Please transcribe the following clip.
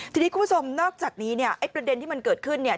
ทีนี้คุณผู้ชมนอกจากนี้เนี่ยไอ้ประเด็นที่มันเกิดขึ้นเนี่ย